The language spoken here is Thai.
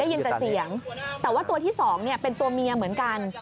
ยินแต่เสียงแต่ว่าตัวที่๒เป็นตัวเมียเหมือนกัน